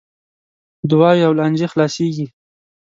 دعاوې او لانجې خلاصیږي .